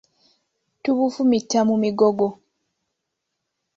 Tubufumita mu migogo.